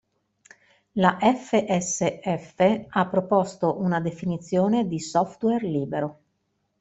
La FSF ha proposto una definizione di software libero.